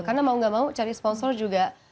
karena mau nggak mau cari sponsor juga